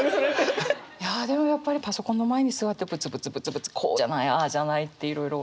いやでもやっぱりパソコンの前に座ってぶつぶつぶつぶつ「こうじゃないああじゃない」っていろいろ。